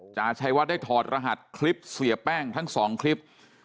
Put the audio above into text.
จาชัยวัดได้ถอดรหัสคลิปเสียแป้งทั้งสองคลิป